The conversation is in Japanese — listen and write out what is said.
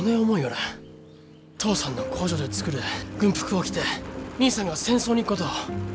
父さんの工場で作る軍服を着て兄さんが戦争に行くことを。